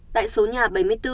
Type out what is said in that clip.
tại số nhà bảy mươi bốn